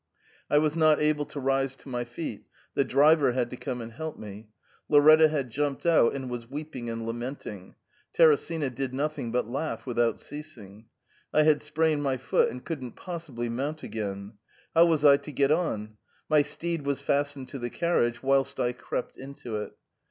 I was not able to rise to my feet ; the driver had to come and help me ; Lauretta had jumped out and was weep ing and lamenting ; Teresina did nothing but laugh without ceasing. I had sprained my foot, and couldn't possibly mount again. How was I to get on ? My steed was fastened to the carriage, whilst I crept into it.